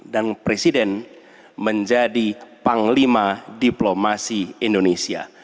dan presiden menjadi panglima diplomasi indonesia